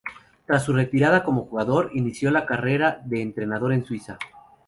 Tras su retirada como jugador, inició la carrera de entrenador en Suiza.